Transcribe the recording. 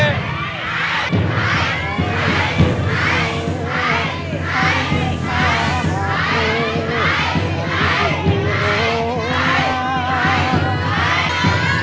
ใช้